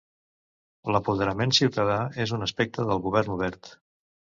L'apoderament ciutadà és un aspecte del govern obert.